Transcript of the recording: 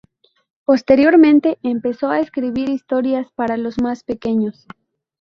Posteriormente empezó a escribir historias para los más pequeños.